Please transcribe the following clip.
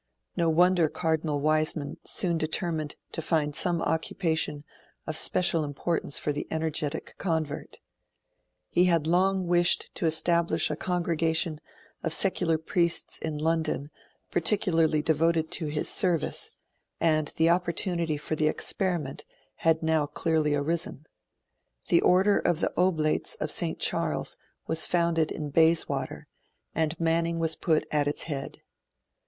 No wonder Cardinal Wiseman soon determined to find some occupation of special importance for the energetic convert. He had long wished to establish a congregation of secular priests in London particularly devoted to his service, and the opportunity for the experiment had clearly now arisen. The order of the Oblates of St. Charles was founded in Bayswater, and Manning was put at its head.